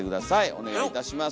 お願いいたします。